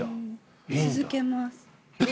続けます。